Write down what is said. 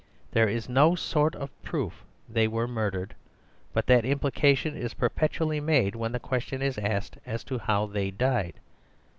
There is no sort of proof that they were murdered, but that implication is perpetually made when the question is asked as to how they died.